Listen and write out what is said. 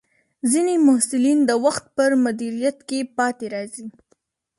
ځینې محصلین د وخت پر مدیریت کې پاتې راځي.